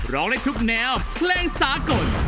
ร้องได้ทุกแนวเพลงสากล